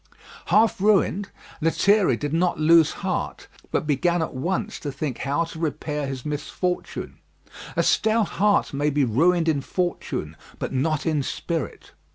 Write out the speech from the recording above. Half ruined, Lethierry did not lose heart, but began at once to think how to repair his misfortune. A stout heart may be ruined in fortune, but not in spirit.